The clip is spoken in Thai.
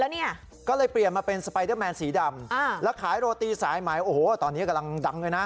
แล้วเนี่ยก็เลยเปลี่ยนมาเป็นสไปเดอร์แมนสีดำแล้วขายโรตีสายไหมโอ้โหตอนนี้กำลังดังเลยนะ